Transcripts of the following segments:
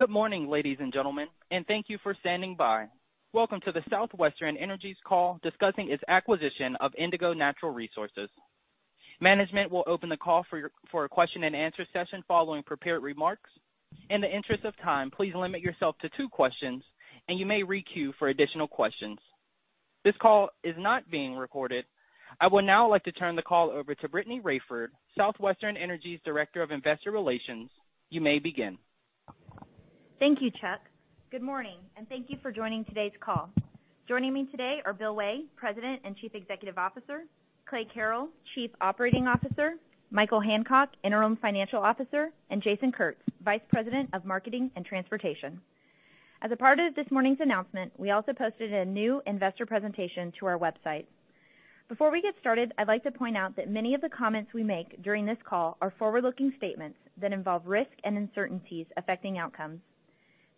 Good morning, ladies and gentlemen, and thank you for standing by. Welcome to the Southwestern Energy's call discussing its acquisition of Indigo Natural Resources. Management will open the call for a question and answer session following prepared remarks. In the interest of time, please limit yourself to two questions, and you may queue for additional questions. This call is not being recorded. I will now like to turn the call over to Brittany Raiford, Southwestern Energy's Director of Investor Relations. You may begin. Thank you, Chuck. Good morning, and thank you for joining today's call. Joining me today are Bill Way, President and Chief Executive Officer, Clayton Carrell, Chief Operating Officer, Michael Hancock, Interim Financial Officer, and Jason Kurtz, Vice President of Marketing and Transportation. As a part of this morning's announcement, we also posted a new investor presentation to our website. Before we get started, I'd like to point out that many of the comments we make during this call are forward-looking statements that involve risks and uncertainties affecting outcomes.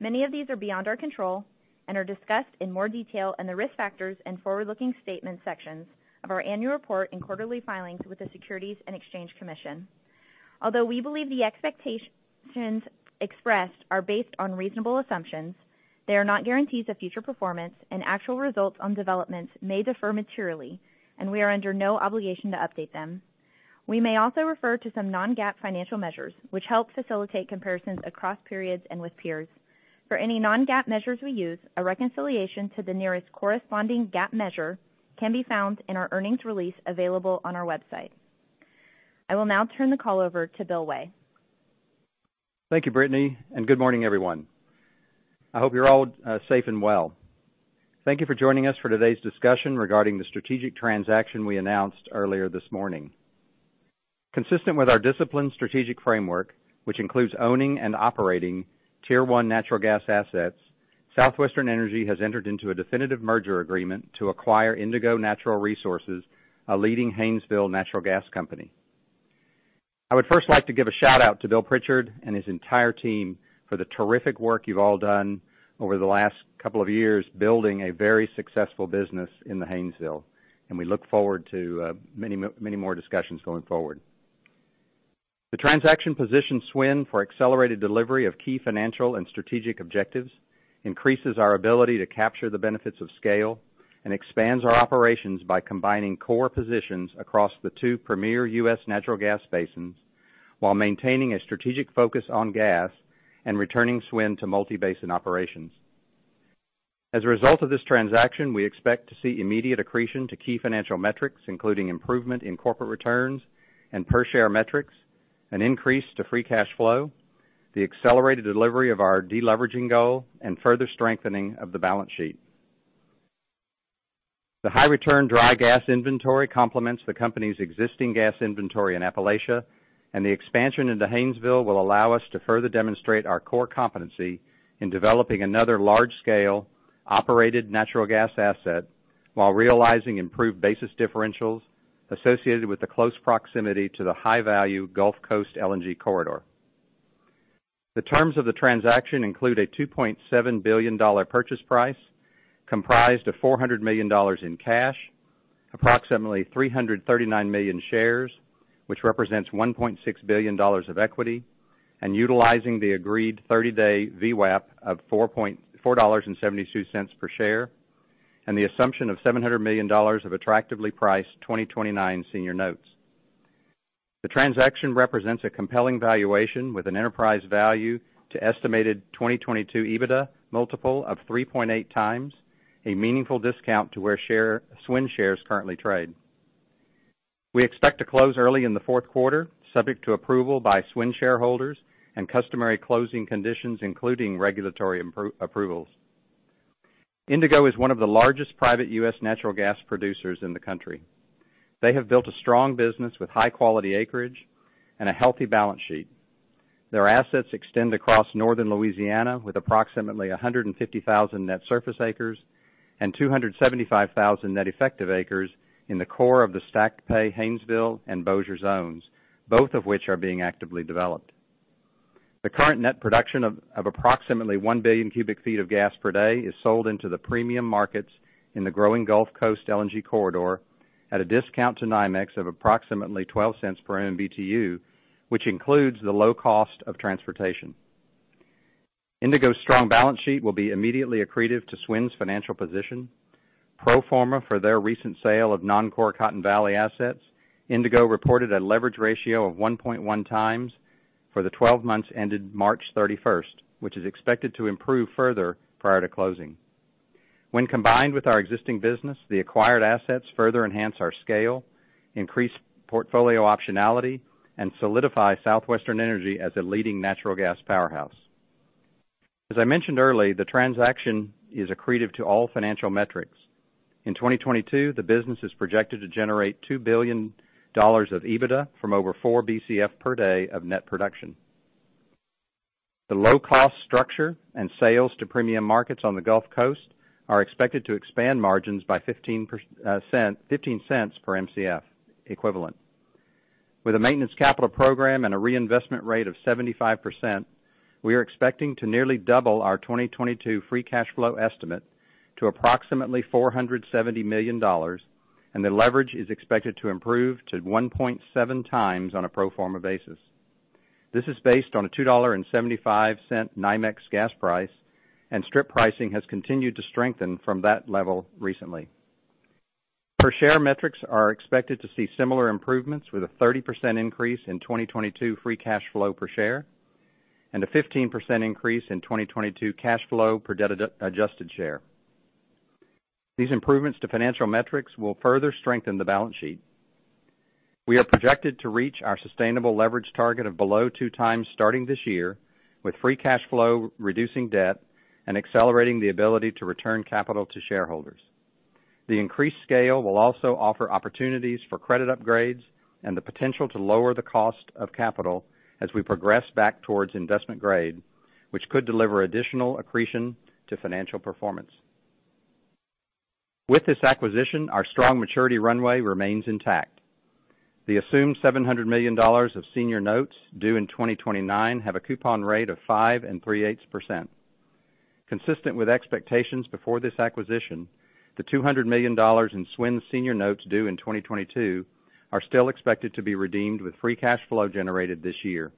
Many of these are beyond our control and are discussed in more detail in the Risk Factors and Forward-Looking Statements sections of our annual report and quarterly filings with the Securities and Exchange Commission. Although we believe the expectations expressed are based on reasonable assumptions, they are not guarantees of future performance, and actual results on developments may differ materially, and we are under no obligation to update them. We may also refer to some non-GAAP financial measures, which help facilitate comparisons across periods and with peers. For any non-GAAP measures we use, a reconciliation to the nearest corresponding GAAP measure can be found in our earnings release available on our website. I will now turn the call over to Bill Way. Thank you, Brittany. Good morning, everyone. I hope you're all safe and well. Thank you for joining us for today's discussion regarding the strategic transaction we announced earlier this morning. Consistent with our disciplined strategic framework, which includes owning and operating Tier One natural gas assets, Southwestern Energy has entered into a definitive merger agreement to acquire Indigo Natural Resources, a leading Haynesville natural gas company. I would first like to give a shout-out to Bill Pritchard and his entire team for the terrific work you've all done over the last couple of years building a very successful business in the Haynesville, and we look forward to many more discussions going forward. The transaction positions SWN for accelerated delivery of key financial and strategic objectives, increases our ability to capture the benefits of scale, and expands our operations by combining core positions across the two premier U.S. natural gas basins while maintaining a strategic focus on gas and returning SWN to multi-basin operations. As a result of this transaction, we expect to see immediate accretion to key financial metrics, including improvement in corporate returns and per share metrics, an increase to free cash flow, the accelerated delivery of our de-leveraging goal, and further strengthening of the balance sheet. The high return dry gas inventory complements the company's existing gas inventory in Appalachia, and the expansion into Haynesville will allow us to further demonstrate our core competency in developing another large-scale operated natural gas asset while realizing improved basis differentials associated with the close proximity to the high-value Gulf Coast LNG corridor. The terms of the transaction include a $2.7 billion purchase price comprised of $400 million in cash, approximately 339 million shares, which represents $1.6 billion of equity, and utilizing the agreed 30-day VWAP of $4.72 per share, and the assumption of $700 million of attractively priced 2029 senior notes. The transaction represents a compelling valuation with an enterprise value to estimated 2022 EBITDA multiple of 3.8x, a meaningful discount to where SWN shares currently trade. We expect to close early in the fourth quarter, subject to approval by SWN shareholders and customary closing conditions, including regulatory approvals. Indigo is one of the largest private U.S. natural gas producers in the country. They have built a strong business with high-quality acreage and a healthy balance sheet. Their assets extend across northern Louisiana with approximately 150,000 net surface acres and 275,000 net effective acres in the core of the stacked pay Haynesville and Bossier zones, both of which are being actively developed. The current net production of approximately 1 billion cu ft of gas per day is sold into the premium markets in the growing Gulf Coast LNG corridor at a discount to NYMEX of approximately $0.12 per MBtu, which includes the low cost of transportation. Indigo's strong balance sheet will be immediately accretive to SWN's financial position. Pro forma for their recent sale of non-core Cotton Valley assets, Indigo reported a leverage ratio of 1.1x for the 12 months ended March 31st, which is expected to improve further prior to closing. When combined with our existing business, the acquired assets further enhance our scale, increase portfolio optionality, and solidify Southwestern Energy as a leading natural gas powerhouse. As I mentioned earlier, the transaction is accretive to all financial metrics. In 2022, the business is projected to generate $2 billion of EBITDA from over 4 BCF per day of net production. The low-cost structure and sales to premium markets on the Gulf Coast are expected to expand margins by $0.15 per MCF equivalent. With a maintenance capital program and a reinvestment rate of 75%, we are expecting to nearly double our 2022 free cash flow estimate to approximately $470 million. The leverage is expected to improve to 1.7x on a pro forma basis. This is based on a $2.75 NYMEX gas price. Strip pricing has continued to strengthen from that level recently. Per share metrics are expected to see similar improvements, with a 30% increase in 2022 free cash flow per share and a 15% increase in 2022 cash flow per debt adjusted share. These improvements to financial metrics will further strengthen the balance sheet. We are projected to reach our sustainable leverage target of below 2x starting this year, with free cash flow reducing debt and accelerating the ability to return capital to shareholders. The increased scale will also offer opportunities for credit upgrades and the potential to lower the cost of capital as we progress back towards investment grade, which could deliver additional accretion to financial performance. With this acquisition, our strong maturity runway remains intact. The assumed $700 million of senior notes due in 2029 have a coupon rate of 5.375%. Consistent with expectations before this acquisition, the $200 million in SWN senior notes due in 2022 are still expected to be redeemed with free cash flow generated this year,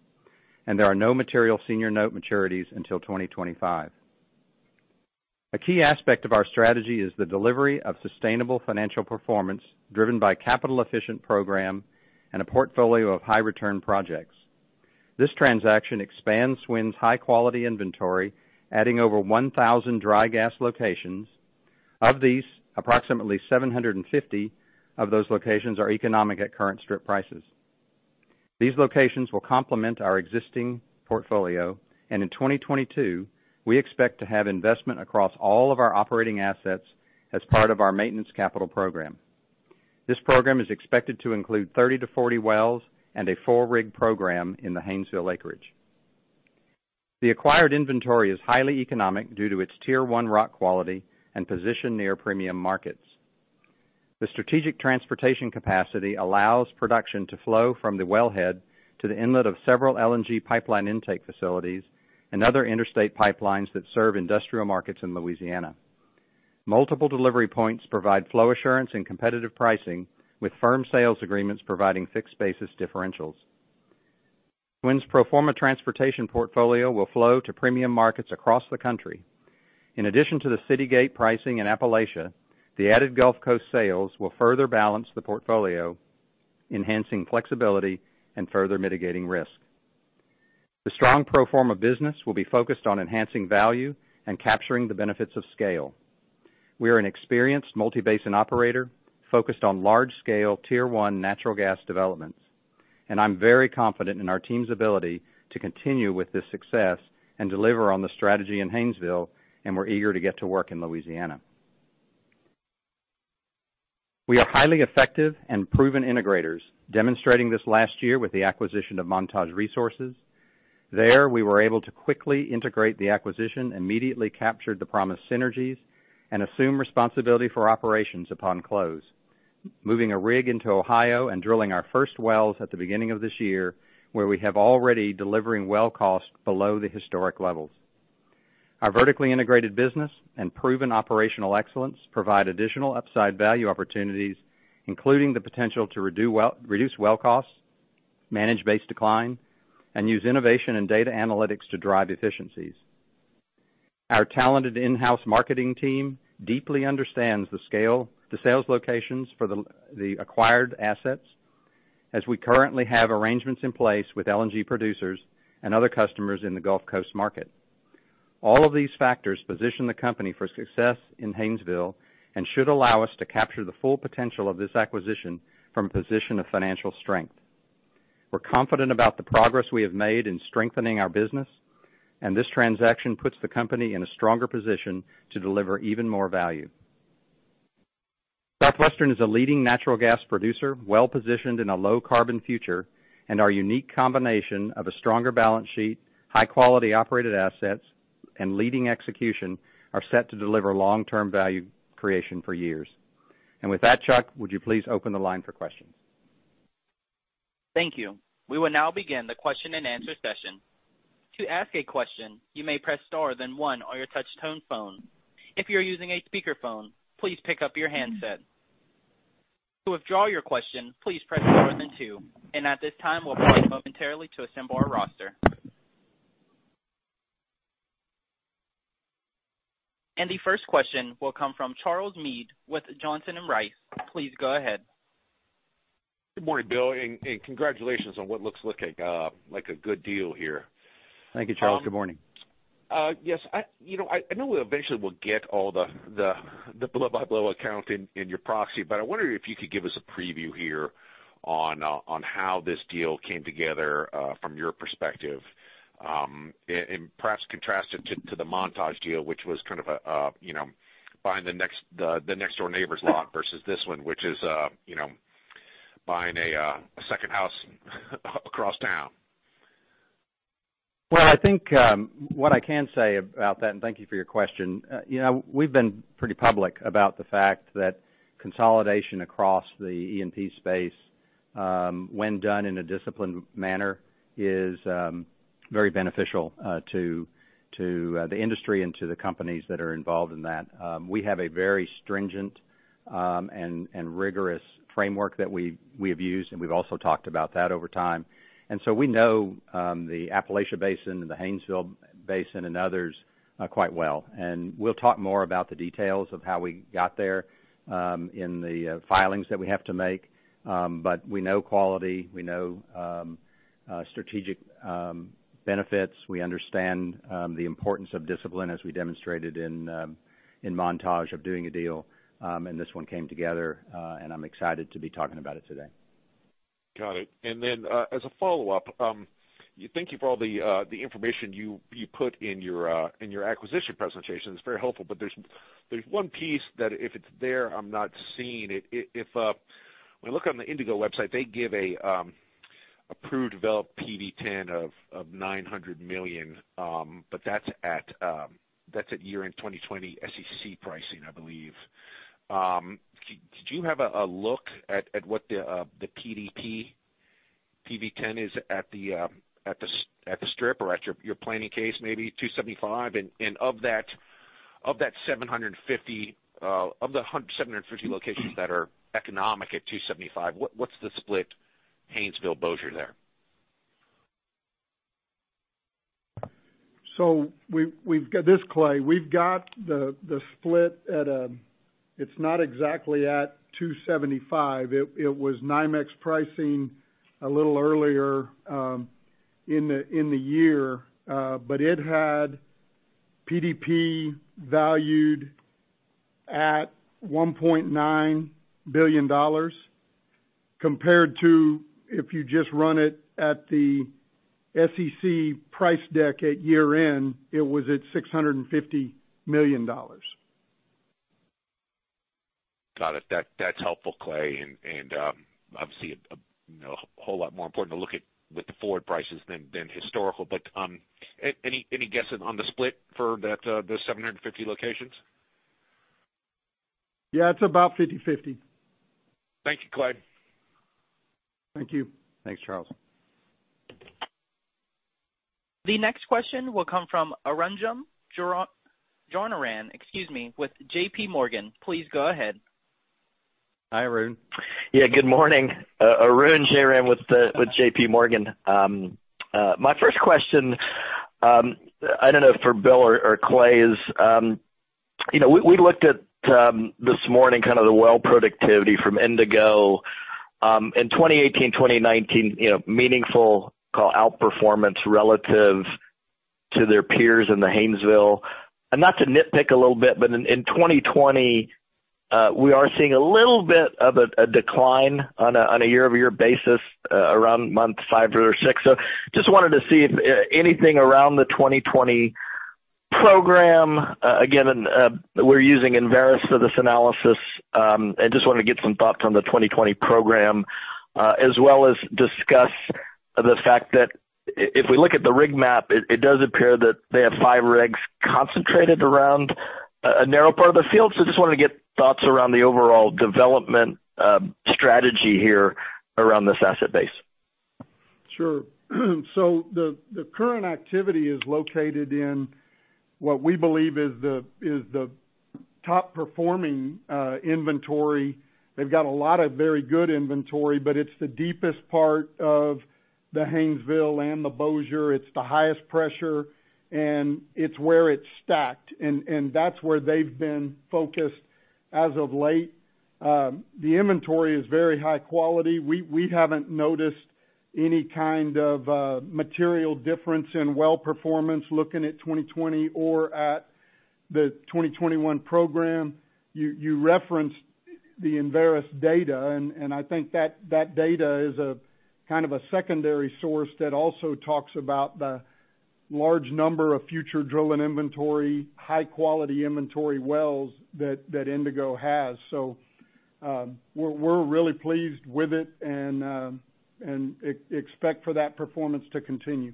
and there are no material senior note maturities until 2025. A key aspect of our strategy is the delivery of sustainable financial performance driven by a capital-efficient program and a portfolio of high-return projects. This transaction expands SWN's high-quality inventory, adding over 1,000 dry gas locations. Of these, approximately 750 of those locations are economic at current strip prices. These locations will complement our existing portfolio, and in 2022, we expect to have investment across all of our operating assets as part of our maintenance capital program. This program is expected to include 30-40 wells and a four-rig program in the Haynesville acreage. The acquired inventory is highly economic due to its Tier One rock quality and position near premium markets. The strategic transportation capacity allows production to flow from the wellhead to the inlet of several LNG pipeline intake facilities and other interstate pipelines that serve industrial markets in Louisiana. Multiple delivery points provide flow assurance and competitive pricing, with firm sales agreements providing fixed basis differentials. SWN's pro forma transportation portfolio will flow to premium markets across the country. In addition to the Citygate pricing in Appalachia, the added Gulf Coast sales will further balance the portfolio, enhancing flexibility and further mitigating risk. The strong pro forma business will be focused on enhancing value and capturing the benefits of scale. We are an experienced multi-basin operator focused on large-scale Tier One natural gas developments, and I'm very confident in our team's ability to continue with this success and deliver on the strategy in Haynesville, and we're eager to get to work in Louisiana. We are highly effective and proven integrators, demonstrating this last year with the acquisition of Montage Resources. There, we were able to quickly integrate the acquisition, immediately captured the promised synergies, and assumed responsibility for operations upon close, moving a rig into Ohio and drilling our first wells at the beginning of this year, where we have already delivered well cost below the historic levels. Our vertically integrated business and proven operational excellence provide additional upside value opportunities, including the potential to reduce well costs, manage base decline, and use innovation and data analytics to drive efficiencies. Our talented in-house marketing team deeply understands the sales locations for the acquired assets, as we currently have arrangements in place with LNG producers and other customers in the Gulf Coast market. All of these factors position the company for success in Haynesville and should allow us to capture the full potential of this acquisition from a position of financial strength. We're confident about the progress we have made in strengthening our business, and this transaction puts the company in a stronger position to deliver even more value. Southwestern is a leading natural gas producer, well-positioned in a low-carbon future, and our unique combination of a stronger balance sheet, high-quality operated assets, and leading execution are set to deliver long-term value creation for years. With that, Chuck, would you please open the line for questions? Thank you. We will now begin the question-and-answer session. To ask a question, you may press star then one on your touchtone phone. If you're using a speakerphone, please pick up your handset. To withdraw your question, please press star then two. At this time, we'll pause momentarily to assemble our roster. The first question will come from Charles Meade with Johnson Rice. Please go ahead. Good morning, Bill, and congratulations on what looks like a good deal here. Thank you, Charles. Good morning. Yes. I know we eventually will get all the blah, blah account in your proxy, but I wonder if you could give us a preview here on how this deal came together from your perspective, and perhaps contrast it to the Montage deal, which was kind of buying the next door neighbor's lot versus this one, which is buying a second house across town. Well, I think what I can say about that, and thank you for your question, we've been pretty public about the fact that consolidation across the E&P space when done in a disciplined manner is very beneficial to the industry and to the companies that are involved in that. We have a very stringent and rigorous framework that we've used, and we've also talked about that over time. We know the Appalachia Basin and the Haynesville Basin and others quite well. We'll talk more about the details of how we got there in the filings that we have to make. We know quality, we know strategic benefits. We understand the importance of discipline, as we demonstrated in Montage of doing a deal. This one came together, and I'm excited to be talking about it today. Got it. As a follow-up, thank you for all the information you put in your acquisition presentation. It's very helpful. There's one piece that if it's there, I'm not seeing it. If we look on the Indigo website, they give a proved developed PD10 of $900 million. That's at year-end 2020 SEC pricing, I believe. Did you have a look at what the PDP, PD10 is at the strip or at your planning case, maybe $2.75? Of the 750 locations that are economic at $2.75, what's the split Haynesville/Bossier there? This is Clay. We've got the split. It's not exactly at 275. It was NYMEX pricing a little earlier in the year. It had PDP valued at $1.9 billion, compared to if you just run it at the SEC price deck at year-end, it was at $650 million. Got it. That's helpful, Clay. Obviously a whole lot more important to look at with the forward prices than historical. Any guesses on the split for the 750 locations? Yeah, it's about 50/50. Thank you, Clay. Thank you. Thanks, Charles. The next question will come from Arun Jayaram. Jayaram, excuse me, with JPMorgan. Please go ahead. Hi, Arun. Yeah, good morning. Arun Jayaram with JPMorgan. My first question, I don't know if for Bill or Clay is we looked at this morning kind of the well productivity from Indigo in 2018, 2019, meaningful outperformance relative to their peers in the Haynesville. Not to nitpick a little bit, but in 2020, we are seeing a little bit of a decline on a year-over-year basis around month five or six. Just wanted to see if anything around the 2020 program. Again, we're using Enverus for this analysis. I just want to get some thoughts on the 2020 program, as well as discuss the fact that if we look at the rig map, it does appear that they have five rigs concentrated around a narrow part of the field. I just want to get thoughts around the overall development strategy here around this asset base. Sure. The current activity is located in what we believe is the top performing inventory. They've got a lot of very good inventory, but it's the deepest part of the Haynesville and the Bossier. It's the highest pressure, and it's where it's stacked, and that's where they've been focused as of late. The inventory is very high quality. We haven't noticed any kind of material difference in well performance looking at 2020 or at the 2021 program. You referenced the Enverus data, and I think that data is a kind of a secondary source that also talks about the large number of future drilling inventory, high quality inventory wells that Indigo has. We're really pleased with it and expect for that performance to continue.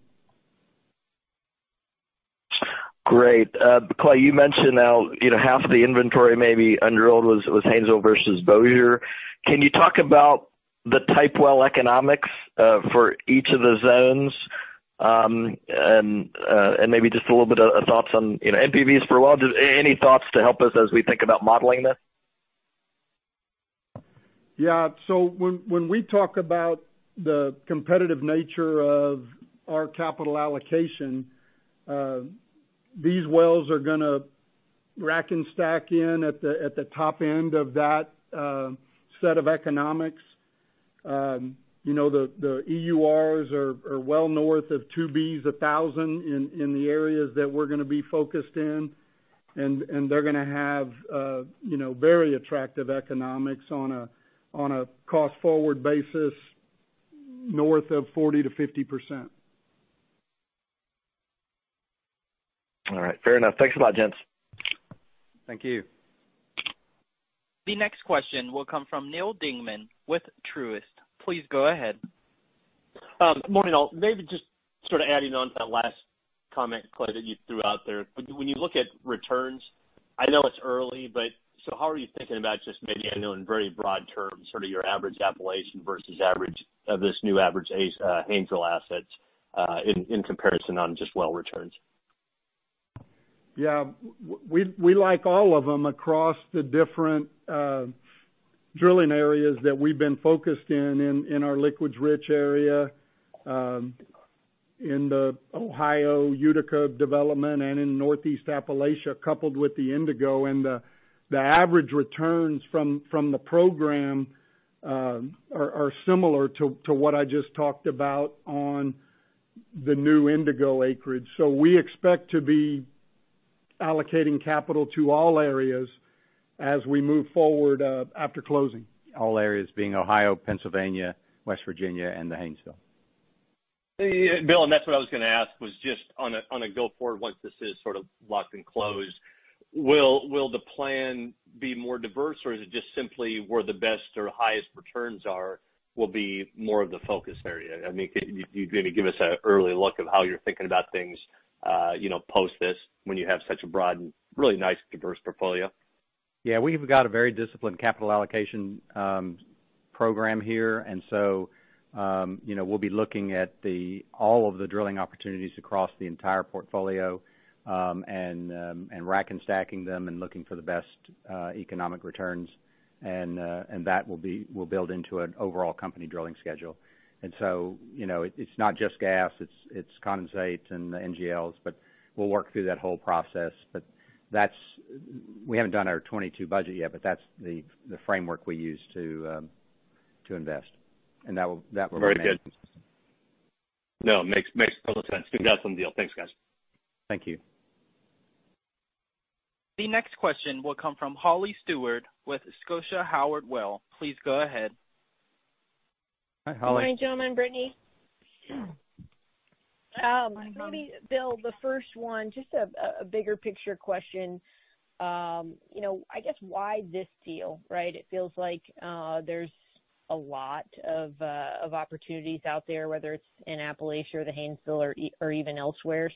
Great. Clay, you mentioned how half the inventory maybe under oil was Haynesville versus Bossier. Can you talk about the type well economics for each of the zones and maybe just a little bit of thoughts on NPVs for well, just any thoughts to help us as we think about modeling this? Yeah. When we talk about the competitive nature of our capital allocation, these wells are going to rack and stack in at the top end of that set of economics. The EURs are well north of two BCF 1,000 in the areas that we're going to be focused in, and they're going to have very attractive economics on a cost-forward basis north of 40%-50%. All right. Fair enough. Thanks a lot, gents. Thank you. The next question will come from Neal Dingmann with Truist. Please go ahead. Good morning, all. Maybe just sort of adding on to that last comment, Clay, that you threw out there. When you look at returns, I know it's early, but so how are you thinking about just maybe, I know in very broad terms, sort of your average Appalachian versus this new average Haynesville asset, in comparison on just well returns? Yeah. We like all of them across the different drilling areas that we've been focused in our liquids rich area, in the Ohio Utica development, and in Northeast Appalachia, coupled with the Indigo. The average returns from the program are similar to what I just talked about on the new Indigo acreage. We expect to be allocating capital to all areas as we move forward after closing. All areas being Ohio, Pennsylvania, West Virginia, and the Haynesville. Bill, that's what I was going to ask was just on a go forward, once this is sort of locked and closed, will the plan be more diverse or is it just simply where the best or highest returns are will be more of the focus area? I mean, can you maybe give us an early look of how you're thinking about things post this when you have such a broad and really nice, diverse portfolio? Yeah. We've got a very disciplined capital allocation program here. We'll be looking at all of the drilling opportunities across the entire portfolio, and rack and stacking them and looking for the best economic returns. That will build into an overall company drilling schedule. It's not just gas, it's condensates and the NGLs, but we'll work through that whole process. We haven't done our 2022 budget yet, but that's the framework we use to invest. That will remain. Very good. No, it makes total sense. Congrats on the deal. Thanks, guys. Thank you. The next question will come from Holly Stewart with Scotia Howard Weil. Please go ahead. Hi, Holly. Good morning, gentlemen, Brittany. Maybe Bill, the first one, just a bigger picture question. I guess why this deal, right? It feels like there's a lot of opportunities out there, whether it's in Appalachia or the Haynesville or even elsewhere.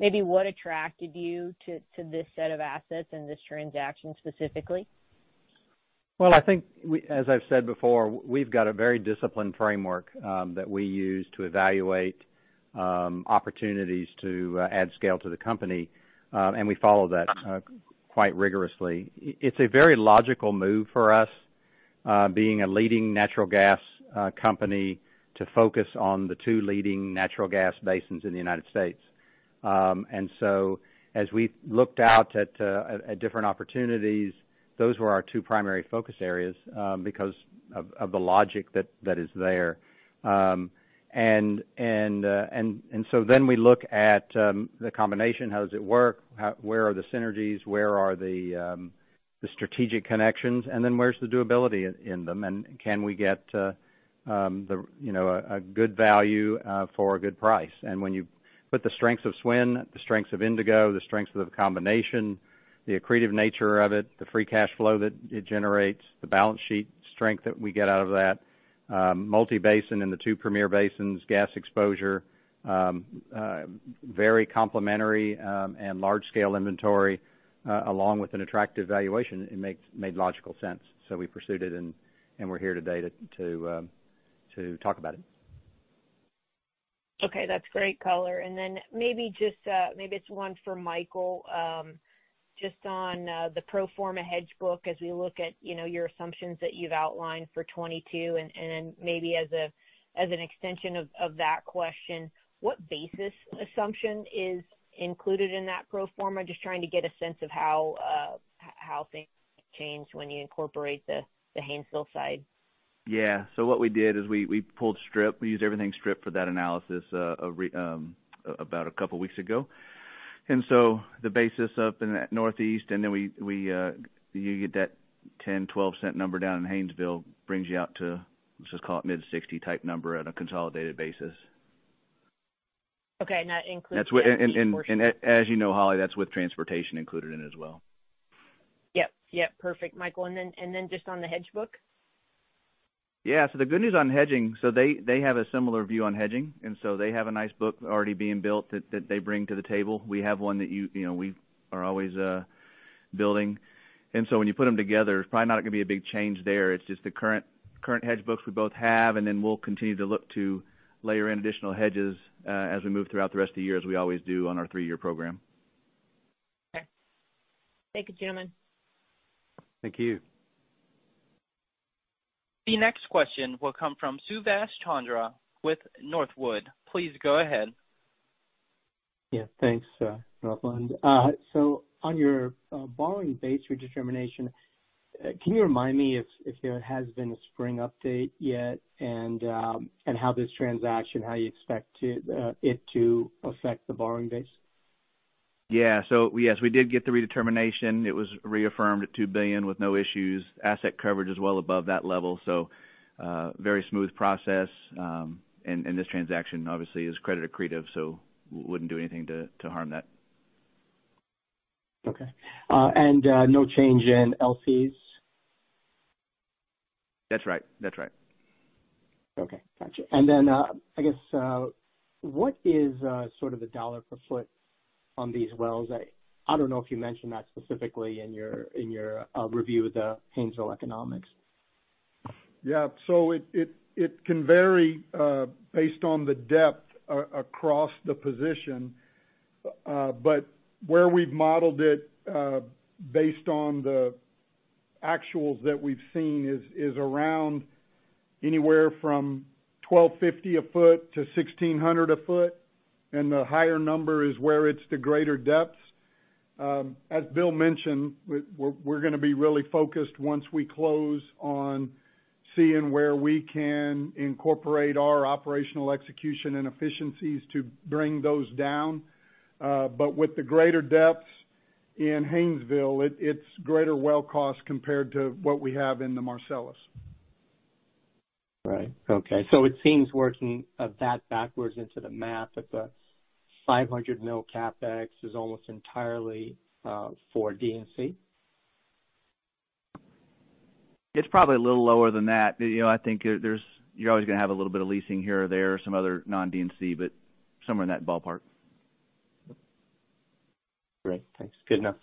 Maybe what attracted you to this set of assets and this transaction specifically? I think, as I've said before, we've got a very disciplined framework that we use to evaluate opportunities to add scale to the company, and we follow that quite rigorously. It's a very logical move for us, being a leading natural gas company to focus on the two leading natural gas basins in the United States. As we looked out at different opportunities, those were our two primary focus areas, because of the logic that is there. Then we look at the combination, how does it work? Where are the synergies? Where are the strategic connections, and then where's the durability in them? Can we get a good value for a good price? When you put the strengths of SWN, the strengths of Indigo, the strengths of the combination, the accretive nature of it, the free cash flow that it generates, the balance sheet strength that we get out of that, multi-basin in the two premier basins, gas exposure, very complementary, and large scale inventory, along with an attractive valuation, it made logical sense. We pursued it, and we're here today to talk about it. Okay. That's great color. Maybe it's one for Michael, just on the pro forma hedge book as we look at your assumptions that you've outlined for 2022, and then maybe as an extension of that question, what basis assumption is included in that pro forma? Just trying to get a sense of how things change when you incorporate the Haynesville side. Yeah. What we did is we pulled strip. We used everything strip for that analysis about a couple of weeks ago. The basis up in that Northeast, and then you get that $0.10, $0.12 number down in Haynesville brings you out to, let's just call it mid-60 type number on a consolidated basis. Okay. That includes. As you know, Holly, that's with transportation included in it as well. Yep. Perfect, Michael. Just on the hedge book? Yeah. The good news on hedging, so they have a similar view on hedging, and so they have a nice book already being built that they bring to the table. We have one that we are always building. When you put them together, it's probably not going to be a big change there. It's just the current hedge books we both have, and then we'll continue to look to layer in additional hedges, as we move throughout the rest of the year, as we always do on our three-year program. Okay. Thank you, gentlemen. Thank you. The next question will come from Subash Chandra with Northland. Please go ahead. Yeah, thanks, Northland. On your borrowing base redetermination, can you remind me if there has been a spring update yet, and how this transaction, how you expect it to affect the borrowing base? Yeah. Yes, we did get the redetermination. It was reaffirmed at $2 billion with no issues. Asset coverage is well above that level. Very smooth process. This transaction obviously is credit accretive, so wouldn't do anything to harm that. Okay. No change in LPs? That's right. Okay, got you. I guess, what is the dollar per foot on these wells? I don't know if you mentioned that specifically in your review of the Haynesville economics. Yeah. It can vary based on the depth across the position. Where we've modeled it based on the actuals that we've seen is around anywhere from $1,250 a foot to $1,600 a foot. The higher number is where it's the greater depths. As Bill mentioned, we're going to be really focused once we close on seeing where we can incorporate our operational execution and efficiencies to bring those down. With the greater depths in Haynesville, it's greater well cost compared to what we have in the Marcellus. Right. Okay. It seems working that backwards into the math, that the $500 million CapEx is almost entirely for D&C. It's probably a little lower than that. I think you're always going to have a little bit of leasing here or there, some other non-D&C, but somewhere in that ballpark. Great. Thanks. Good enough.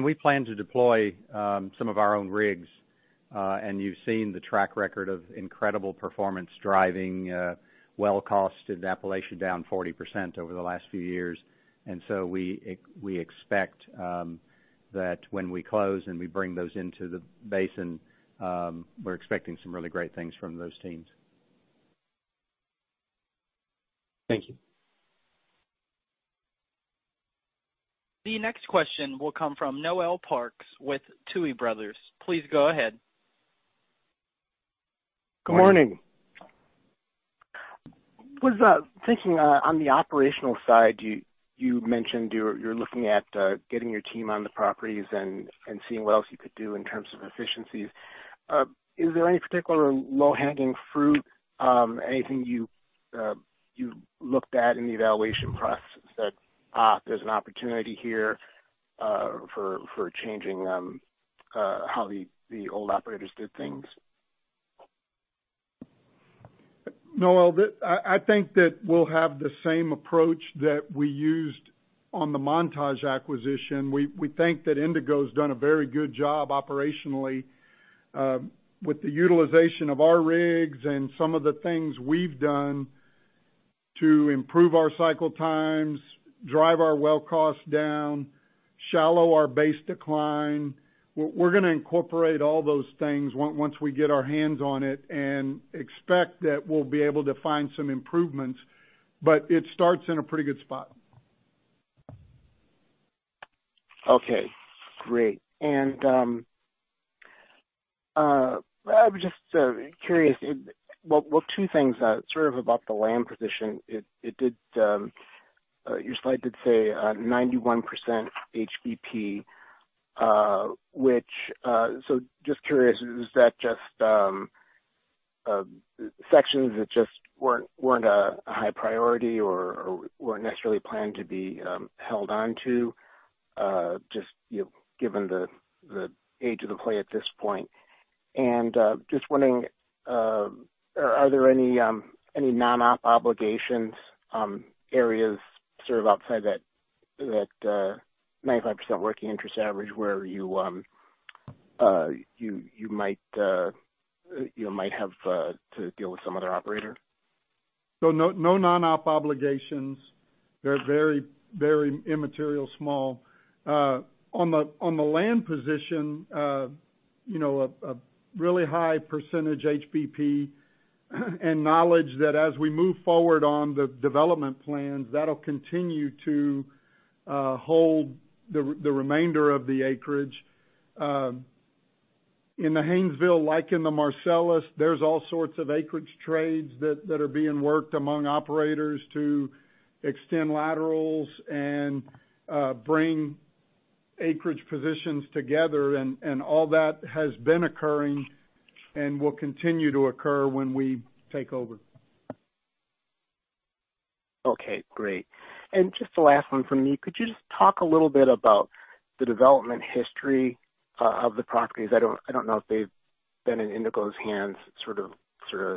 We plan to deploy some of our own rigs. You've seen the track record of incredible performance driving well cost in Appalachian down 40% over the last few years. We expect that when we close and we bring those into the basin, we're expecting some really great things from those teams. Thank you. The next question will come from Noel Parks with Tuohy Brothers. Please go ahead. Good morning. I was thinking on the operational side, you mentioned you're looking at getting your team on the properties and seeing what else you could do in terms of efficiencies. Is there any particular low-hanging fruit, anything you looked at in the evaluation process that there's an opportunity here for changing how the old operators did things? Noel, I think that we'll have the same approach that we used on the Montage acquisition. We think that Indigo's done a very good job operationally with the utilization of our rigs and some of the things we've done to improve our cycle times, drive our well cost down, shallow our base decline. We're going to incorporate all those things once we get our hands on it and expect that we'll be able to find some improvements. It starts in a pretty good spot. Okay, great. I was just curious. Two things, sort of about the land position. Your slide did say 91% HBP. Just curious, is that just sections that just weren't a high priority or weren't necessarily planned to be held onto, just given the age of the play at this point? Just wondering, are there any non-op obligations areas sort of outside that 95% working interest average where you might have to deal with some other operator? No non-op obligations. They're very immaterial, small. On the land position, a really high percentage HBP and knowledge that as we move forward on the development plans, that'll continue to hold the remainder of the acreage. In the Haynesville, like in the Marcellus, there's all sorts of acreage trades that are being worked among operators to extend laterals and bring acreage positions together, and all that has been occurring and will continue to occur when we take over. Okay, great. Just the last one from me. Could you just talk a little bit about the development history of the properties? I don't know if they've been in Indigo's hands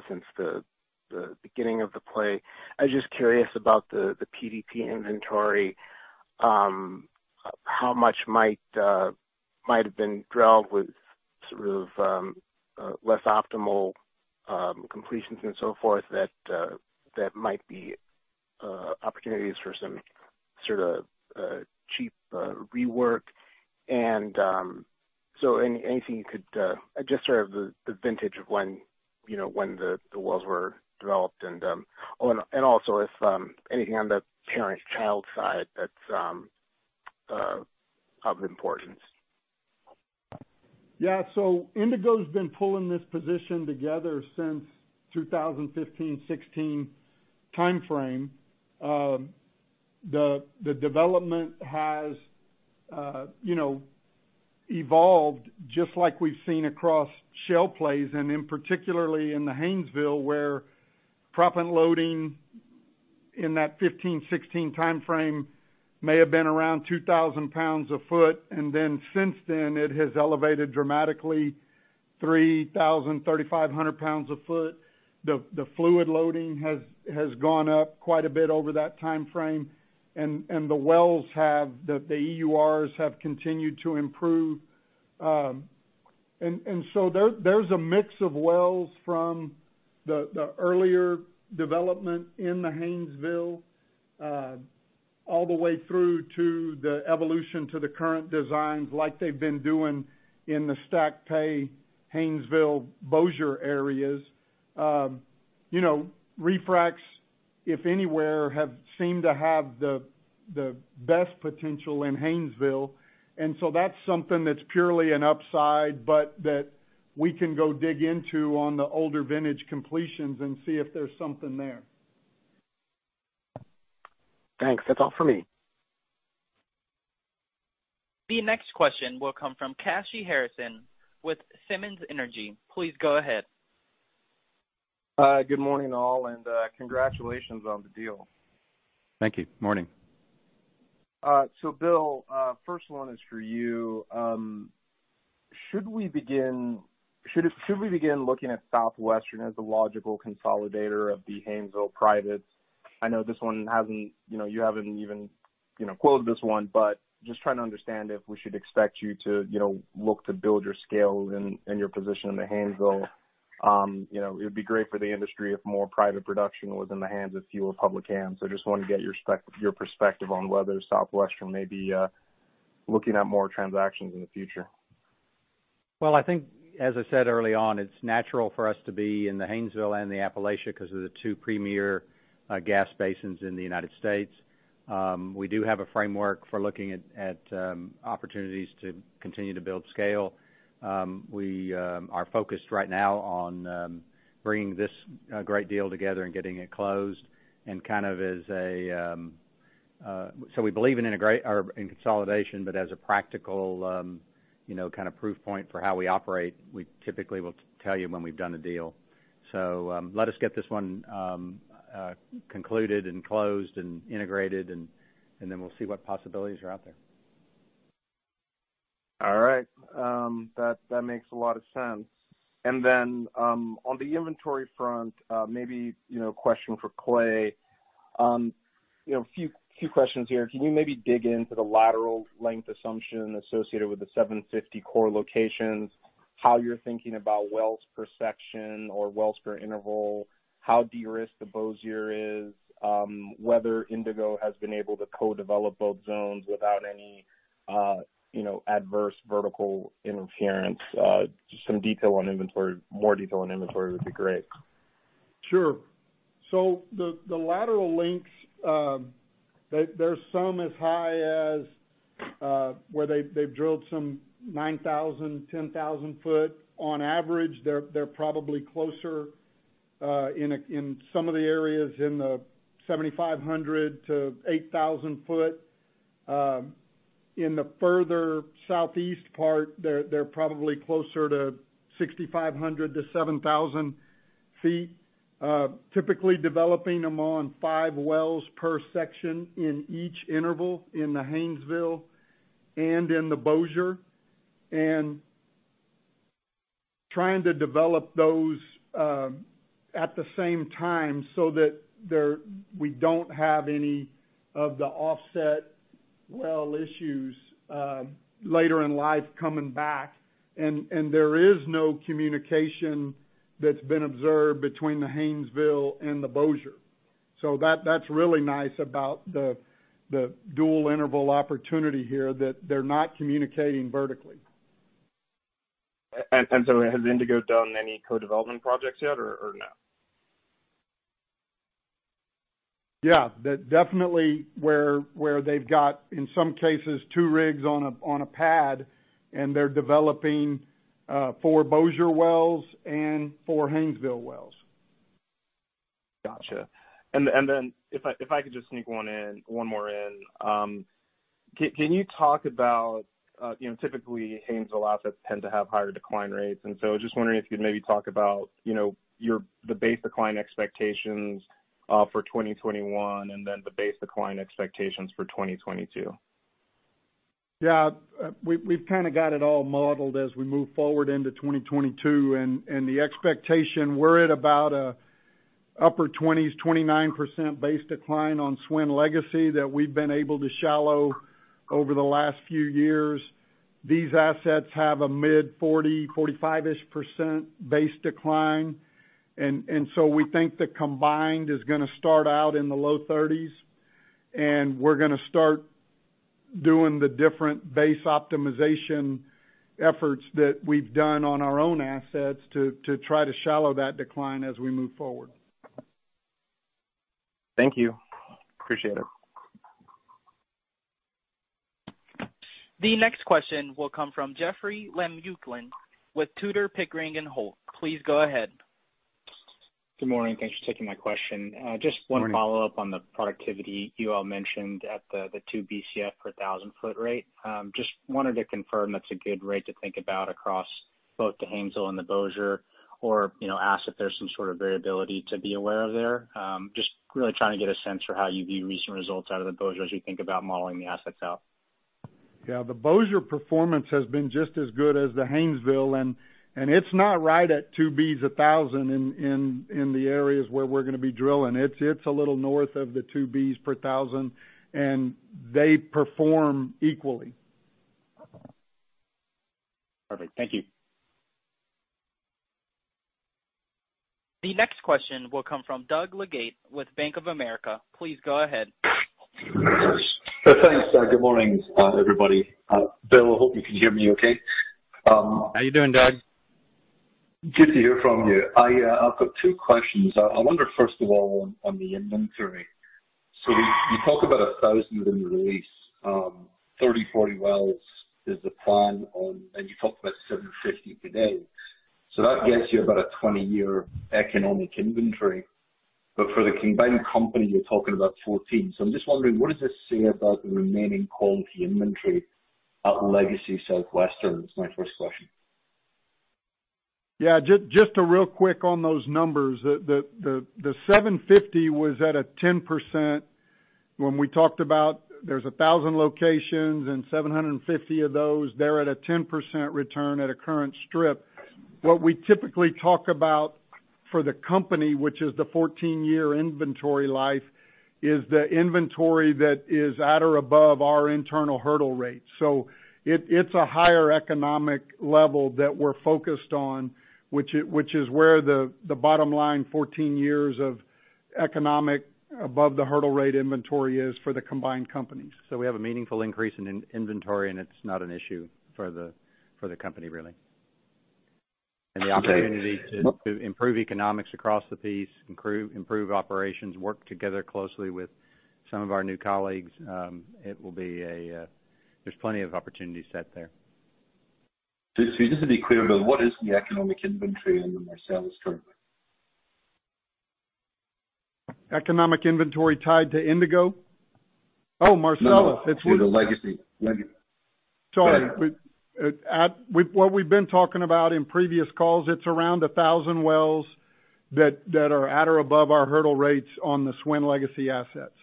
since the beginning of the play. I was just curious about the PDP inventory. How much might have been drilled with sort of less optimal completions and so forth that might be opportunities for some sort of cheap rework, just sort of the vintage of when the wells were developed and also if anything on the parent-child side that's of importance. Yeah. Indigo's been pulling this position together since 2015, 2016 timeframe. The development has Evolved just like we've seen across shale plays, and in particularly in the Haynesville, where proppant loading in that 2015, 2016 timeframe may have been around 2,000 pounds a foot, and then since then it has elevated dramatically 3,000, 3,500 pounds a foot. The fluid loading has gone up quite a bit over that timeframe. The EURs have continued to improve. There's a mix of wells from the earlier development in the Haynesville, all the way through to the evolution to the current designs like they've been doing in the stacked pay, Haynesville, Bossier areas. Refracs, if anywhere, have seemed to have the best potential in Haynesville. That's something that's purely an upside, but that we can go dig into on the older vintage completions and see if there's something there. Thanks. That's all for me. The next question will come from Kashy Harrison with Simmons Energy. Please go ahead. Good morning all. Congratulations on the deal. Thank you. Morning. Bill, first one is for you. Should we begin looking at Southwestern as the logical consolidator of the Haynesville privates? I know this one you haven't even quoted this one, but just trying to understand if we should expect you to look to build your scale and your position in the Haynesville. It'd be great for the industry if more private production was in the hands of fewer public hands. I just want to get your perspective on whether Southwestern may be looking at more transactions in the future. Well, I think as I said early on, it's natural for us to be in the Haynesville and the Appalachia because they're the two premier gas basins in the United States. We do have a framework for looking at opportunities to continue to build scale. We are focused right now on bringing this great deal together and getting it closed. We believe in consolidation, but as a practical proof point for how we operate, we typically will tell you when we've done a deal. Let us get this one concluded and closed and integrated, and then we'll see what possibilities are out there. All right. That makes a lot of sense. On the inventory front, maybe a question for Clay. A few questions here. Can you maybe dig into the lateral length assumption associated with the 750 core locations, how you're thinking about wells per section or wells per interval, how de-risked the Bossier is, whether Indigo has been able to co-develop both zones without any adverse vertical interference? Just some detail on inventory, more detail on inventory would be great. Sure. The lateral lengths, there's some as high as where they've drilled some 9,000-10,000 foot. On average, they're probably closer, in some of the areas in the 7,500-8,000 foot. In the further southeast part, they're probably closer to 6,500-7,000 feet. Typically developing them on five wells per section in each interval in the Haynesville and in the Bossier, and trying to develop those at the same time so that we don't have any of the offset well issues later in life coming back. There is no communication that's been observed between the Haynesville and the Bossier. That's really nice about the dual interval opportunity here that they're not communicating vertically. Has Indigo done any co-development projects yet or no? Yeah. Definitely where they've got, in some cases, two rigs on a pad and they're developing four Bossier wells and four Haynesville wells. Got you. If I could just sneak one more in. Can you talk about, typically Haynesville assets tend to have higher decline rates, I was just wondering if you maybe talk about the base decline expectations for 2021 and then the base decline expectations for 2022. Yeah. We've kind of got it all modeled as we move forward into 2022. The expectation, we're at about a upper 20s, 29% base decline on SWN Legacy that we've been able to shallow over the last few years. These assets have a mid 40, 45-ish% base decline. So we think the combined is going to start out in the low 30s, and we're going to start doing the different base optimization efforts that we've done on our own assets to try to shallow that decline as we move forward. Thank you. Appreciate it. The next question will come from Jeoffrey Lambujon with Tudor, Pickering, Holt. Please go ahead. Good morning. Thanks for taking my question. Just one follow-up on the productivity you all mentioned at the two BCF per thousand foot rate. Just wanted to confirm that's a good rate to think about across both the Haynesville and the Bossier, or ask if there's some sort of variability to be aware of there. Just really trying to get a sense for how you view recent results out of the Bossier as you think about modeling the assets out. Yeah. The Bossier performance has been just as good as the Haynesville, and it's not right at 2 Bcf a thousand in the areas where we're going to be drilling. It's a little north of the 2 Bcf per thousand, and they perform equally. Perfect. Thank you. The next question will come from Doug Leggate with Bank of America. Please go ahead. Thanks. Good morning, everybody. Bill, I hope you can hear me okay. How are you doing, Doug? Good to hear from you. I've got two questions. I wonder, first of all, on the inventory. You talk about 1,000 in the release. 30, 40 wells is the plan, and you talk about 750 today. That gets you about a 20-year economic inventory. For the combined company, you're talking about 14. I'm just wondering, what does this say about the remaining quality inventory at Legacy Southwestern? It's my first question. Yeah. Just real quick on those numbers. The 750 was at a 10%. When we talked about there's 1,000 locations and 750 of those, they're at a 10% return at a current strip. What we typically talk about for the company, which is the 14-year inventory life, is the inventory that is at or above our internal hurdle rate. It's a higher economic level that we're focused on, which is where the bottom line 14 years of economic above the hurdle rate inventory is for the combined companies. We have a meaningful increase in inventory, and it's not an issue for the company, really. Okay. The opportunity to improve economics across the piece, improve operations, work together closely with some of our new colleagues. There's plenty of opportunity set there. Just to be clear, though, what is the economic inventory under my sales strip? Economic inventory tied to Indigo? Oh, Marcellus. That's right. No, to the legacy. Sorry. What we've been talking about in previous calls, it's around 1,000 wells that are at or above our hurdle rates on the SWN Legacy assets.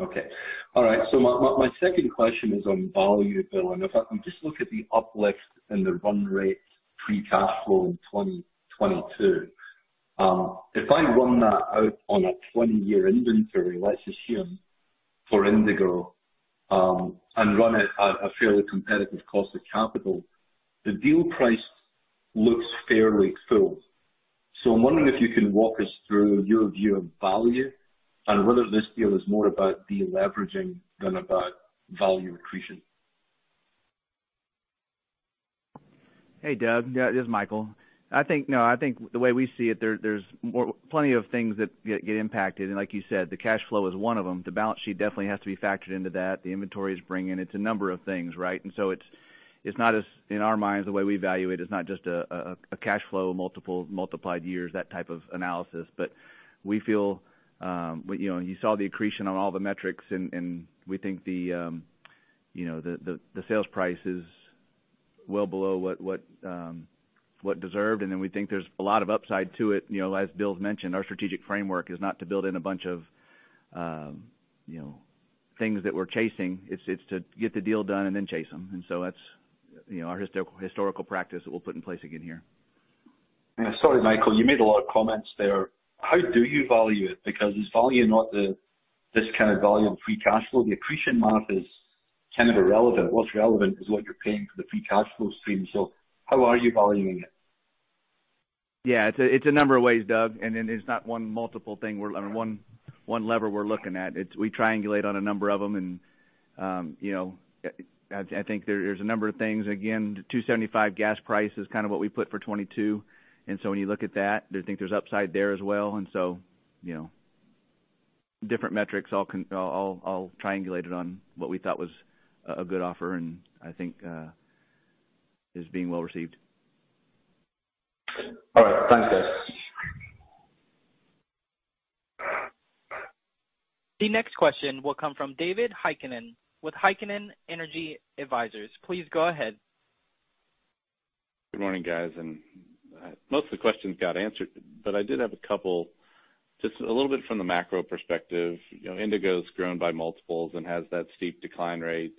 Okay. All right. My second question is on value, Bill. If we just look at the uplift in the run rate free cash flow in 2022. If I run that out on a 20-year inventory, let's assume for Indigo, and run it at a fairly competitive cost of capital, the deal price looks fairly full. I'm wondering if you can walk us through your view of value and whether this deal is more about deleveraging than about value accretion. Hey, Doug. Yeah, this is Michael. I think the way we see it, there's plenty of things that get impacted. Like you said, the cash flow is one of them. The balance sheet definitely has to be factored into that. The inventory is bringing. It's a number of things, right? In our minds, the way we evaluate it is not just a cash flow multiple, multiplied years, that type of analysis. You saw the accretion on all the metrics, and we think the sales price is well below what deserved. We think there's a lot of upside to it. As Bill mentioned, our strategic framework is not to build in a bunch of things that we're chasing. It's to get the deal done and then chase them. That's our historical practice that we'll put in place again here. Sorry, Michael, you made a lot of comments there. How do you value it? Is value not this kind of value of free cash flow? The accretion amount is kind of irrelevant. What's relevant is what you're paying for the free cash flow stream. How are you valuing it? Yeah. It's a number of ways, Doug, and it's not one multiple thing. We're on one lever we're looking at. We triangulate on a number of them, and I think there's a number of things. Again, $2.75 gas price is kind of what we put for 2022. When you look at that, I think there's upside there as well. Different metrics all triangulated on what we thought was a good offer, and I think is being well-received. All right. Thanks, guys. The next question will come from David Heikkinen with Heikkinen Energy Advisors. Please go ahead. Good morning, guys. Most of the questions got answered, but I did have a couple, just a little bit from the macro perspective. Indigo's grown by multiples and has that steep decline rate.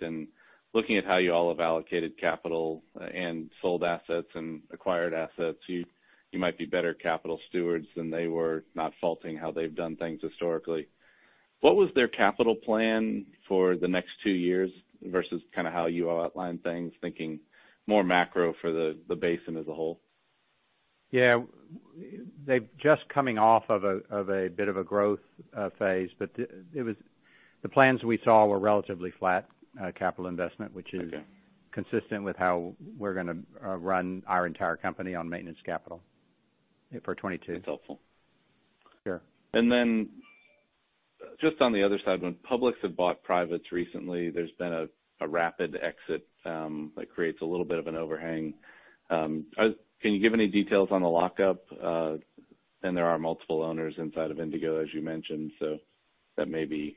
Looking at how you all have allocated capital and sold assets and acquired assets, you might be better capital stewards than they were, not faulting how they've done things historically. What was their capital plan for the next two years versus how you all outlined things, thinking more macro for the basin as a whole? Yeah. They're just coming off of a bit of a growth phase. The plans we saw were relatively flat capital investment, which is consistent with how we're going to run our entire company on maintenance capital for 2022. That's helpful. Sure. Just on the other side, when publics have bought privates recently, there's been a rapid exit that creates a little bit of an overhang. Can you give any details on the lockup? There are multiple owners inside of Indigo, as you mentioned, so that may be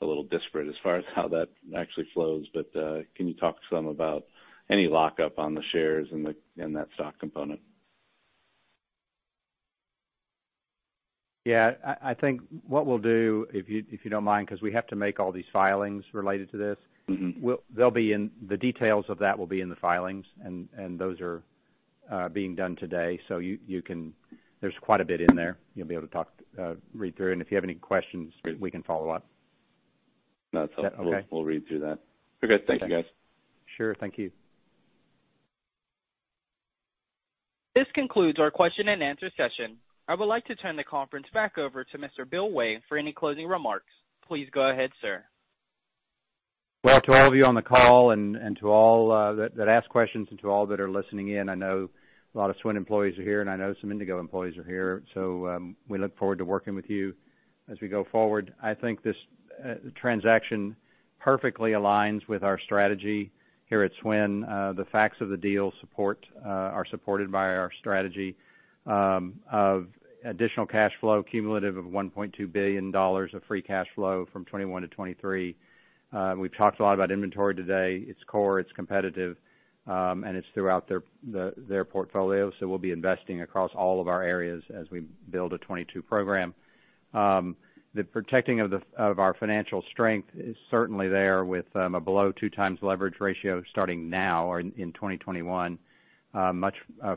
a little disparate as far as how that actually flows. Can you talk some about any lockup on the shares in that stock component? Yeah. I think what we'll do, if you don't mind, because we have to make all these filings related to this. The details of that will be in the filings, and those are being done today. There's quite a bit in there. You'll be able to read through. If you have any questions, we can follow up. That's okay. We'll read through that. Okay. Thank you, guys. Sure. Thank you. This concludes our question-and-answer session. I would like to turn the conference back over to Mr. Bill Way for any closing remarks. Please go ahead, sir. Well, to all of you on the call and to all that asked questions, and to all that are listening in, I know a lot of SWN employees are here, and I know some Indigo employees are here. We look forward to working with you as we go forward. I think this transaction perfectly aligns with our strategy here at SWN. The facts of the deal are supported by our strategy of additional cash flow cumulative of $1.2 billion of free cash flow from 2021 to 2023. We talked a lot about inventory today. It's core, it's competitive, and it's throughout their portfolio. We'll be investing across all of our areas as we build a 2022 program. The protecting of our financial strength is certainly there with a below two times leverage ratio starting now in 2021, much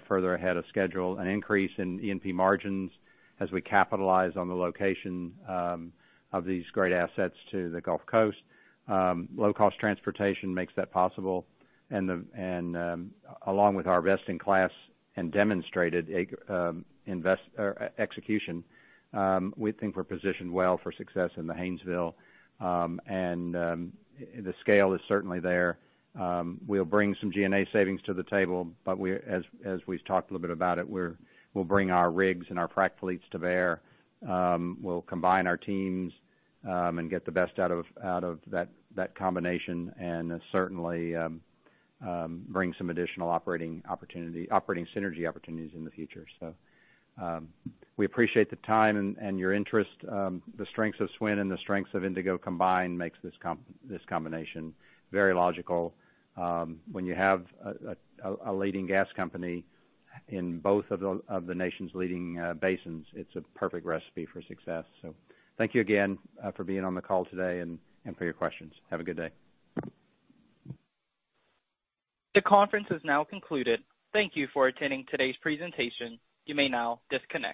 further ahead of schedule. An increase in E&P margins as we capitalize on the location of these great assets to the Gulf Coast. Low-cost transportation makes that possible. Along with our best-in-class and demonstrated execution, we think we're positioned well for success in the Haynesville. The scale is certainly there. We'll bring some G&A savings to the table, but as we've talked a little bit about it, we'll bring our rigs and our frac fleets to bear. We'll combine our teams and get the best out of that combination and certainly bring some additional operating synergy opportunities in the future. We appreciate the time and your interest. The strengths of SWN and the strengths of Indigo combined makes this combination very logical. When you have a leading gas company in both of the nation's leading basins, it's a perfect recipe for success. Thank you again for being on the call today and for your questions. Have a good day. The conference has now concluded. Thank you for attending today's presentation. You may now disconnect.